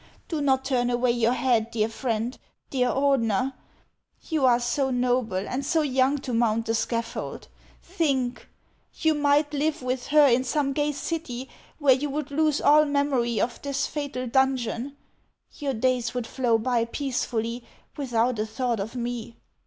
Do not turn away your head, dear friend, dear Ordener. You are so noble and so young to mount the scaffold. Think ! you might live with her in some gay city where you would lose all memory of this fatal dungeon ; your days would flow by peacefully, without a thought of me.